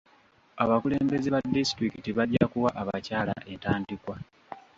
Abakulembeze ba disitulikiti bajja kuwa abakyala entandikwa.